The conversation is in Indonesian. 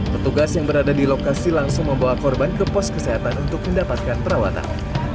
petugas yang berada di lokasi langsung membawa korban ke pos kesehatan untuk mendapatkan perawatan